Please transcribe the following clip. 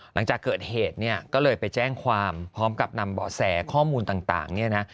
หลังจากเกิดเหตุก็เลยไปแจ้งความพร้อมกับนำบ่อแสข้อมูลต่าง